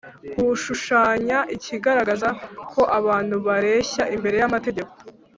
rushushanya ikigaragaza ko abantu bareshya imbere y'amategeko.